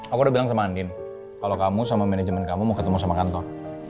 aku udah bilang sama andin kalau kamu sama manajemen kamu mau ketemu sama kantor